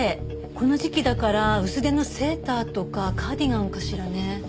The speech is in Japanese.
この時期だから薄手のセーターとかカーディガンかしらね。